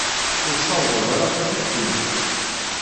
Ur tessawḍeḍ ara ad t-id-tiniḍ.